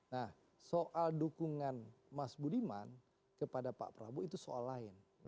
nah soal dukungan mas budiman kepada pak prabowo itu soal lain